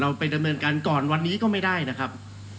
ไปดำเนินการก่อนวันนี้ก็ไม่ได้นะครับ